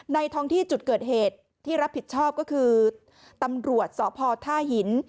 ท้องที่จุดเกิดเหตุที่รับผิดชอบก็คือตำรวจสพท่าหิน